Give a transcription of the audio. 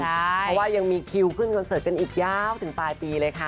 เพราะว่ายังมีคิวขึ้นคอนเสิร์ตกันอีกยาวถึงปลายปีเลยค่ะ